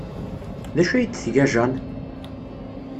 D acu ay d-tga Jane?